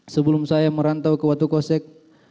sebelum saya merantau ke watu kosek